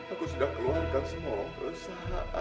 aku sudah keluarkan semua perusahaan